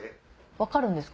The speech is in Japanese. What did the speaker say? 分かるんですか？